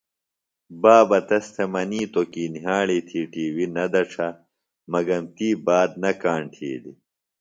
بابہ تس تھےۡ منیتوۡ کی نِھیاڑی تھی ٹی وی نہ دڇھہ مگم تی بات نہ کاݨ تِھیلی۔